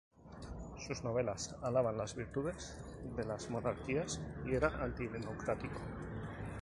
Sus novelas alaban las virtudes de las monarquías y era antidemocrático.